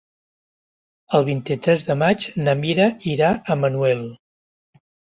El vint-i-tres de maig na Mira irà a Manuel.